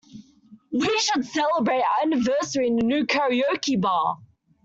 We should celebrate our anniversary in the new karaoke bar.